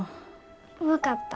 分かった。